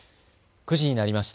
９時になりました。